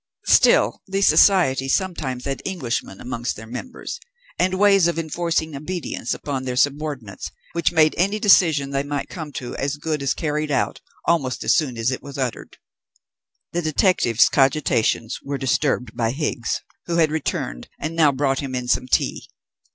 Still, these societies sometimes had Englishmen amongst their members, and ways of enforcing obedience upon their subordinates which made any decision they might come to as good as carried out almost as soon as it was uttered. The detective's cogitations were disturbed by Higgs, who had returned, and now brought him in some tea.